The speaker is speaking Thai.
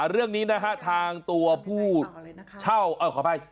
เรื่องนี้นะคะทางตัวผู้ช่าวขอให้ไป